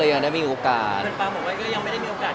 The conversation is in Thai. แล้วถ่ายละครมันก็๘๙เดือนอะไรอย่างนี้